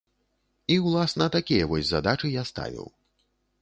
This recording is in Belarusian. І, уласна, такія вось задачы я ставіў.